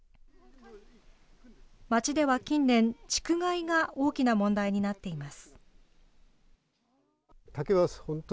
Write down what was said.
町では近年、竹害が大きな問題になっています。